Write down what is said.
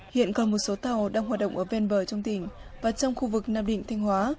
hiện còn một số tàu đang hoạt động ở ven bờ trong tỉnh và trong khu vực nam định thanh hóa